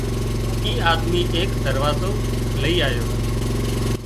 اي آڌميئي ايڪ دروازو لئي آليو